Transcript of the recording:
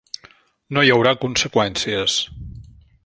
No hi haurà conseqüències.